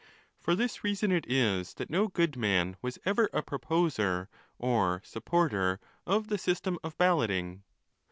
XVI. For this reason it is that no good man was ever a proposer or supporter of the system of balloting.